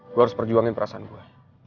gue harus perjuangin perasaan gue